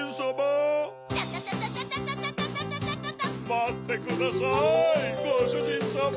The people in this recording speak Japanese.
まってくださいごしゅじんさま！